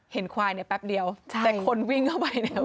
เห็นควายแป๊บเดียวแต่คนวิ่งเข้าไปที